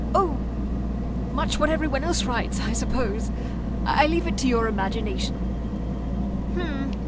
"Oh, much what every one else writes, I suppose. I leave it to your imagination."